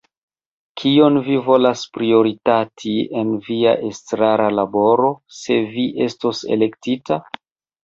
Kion vi volas prioritati en via estrara laboro, se vi estos elektita?